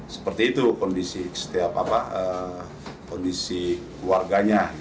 seperti itu kondisi setiap warganya